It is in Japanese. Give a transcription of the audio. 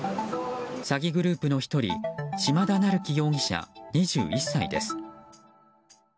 詐欺グループの１人島田匠輝容疑者、２１歳です。